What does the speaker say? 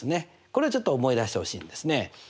これちょっと思い出してほしいんですね。